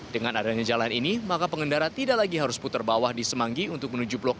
dengan adanya jalan ini maka pengendara tidak lagi harus putar bawah di semanggi untuk menuju blok